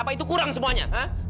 apa itu kurang semuanya